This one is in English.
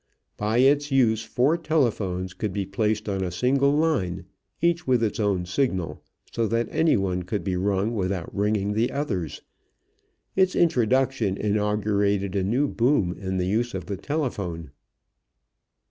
By its use four telephones could be placed on a single line, each with its own signal, so that any one could be rung without ringing the others. Its introduction inaugurated a new boom in the use of the telephone.